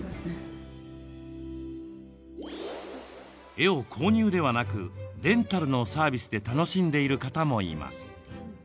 絵を購入ではなくレンタルのサービスで楽しんでいる方もいます。